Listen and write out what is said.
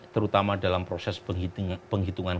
terutama dalam proses penghitungan